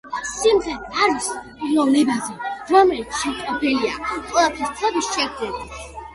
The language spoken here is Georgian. სიმღერა არის პიროვნებაზე, რომელიც შეპყრობილია ყველაფრის ფლობის შეგრძნებით.